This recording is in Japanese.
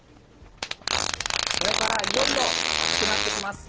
これから、いよいよ暑くなってきます。